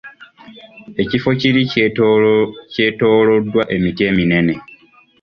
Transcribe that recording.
Ekifo kiri kyetooloddwa emiti eminene.